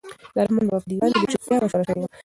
د رحمان بابا په دیوان کې د چوپتیا مشوره شوې وه.